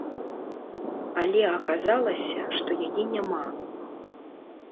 Але аказалася, што яе няма.